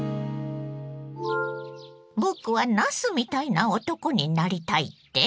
僕は「なすみたいな男」になりたいって？